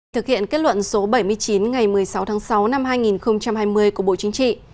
thực hiện kết luận số bảy mươi chín ngày một mươi sáu tháng sáu năm hai nghìn hai mươi của bộ chính trị